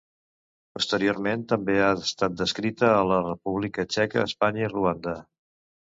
Posteriorment també ha estat descrita a la República Txeca, Espanya i Ruanda.